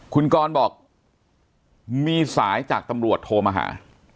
คุณกรบอกมีสายจากตำรวจโทรมาหา